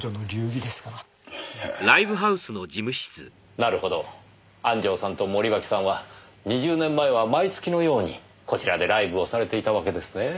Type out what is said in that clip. なるほど安城さんと森脇さんは２０年前は毎月のようにこちらでライブをされていたわけですね。